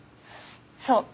そう。